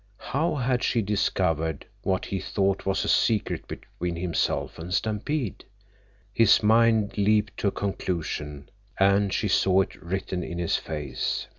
How had she discovered what he thought was a secret between himself and Stampede? His mind leaped to a conclusion, and she saw it written in his face.